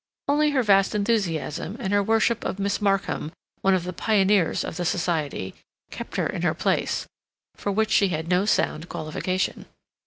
Only her vast enthusiasm and her worship of Miss Markham, one of the pioneers of the society, kept her in her place, for which she had no sound qualification.